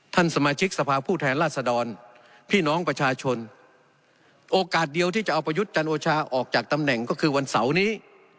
สมาชิกสภาพผู้แทนราชดรพี่น้องประชาชนโอกาสเดียวที่จะเอาประยุทธ์จันโอชาออกจากตำแหน่งก็คือวันเสาร์นี้